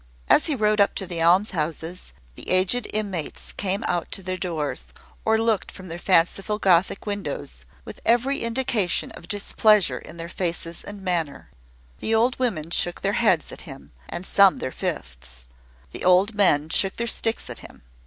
As he rode up to the almshouses, the aged inmates came out to their doors, or looked from their fanciful Gothic windows, with every indication of displeasure in their faces and manner. The old women shook their heads at him, and some their fists; the old men shook their sticks at him.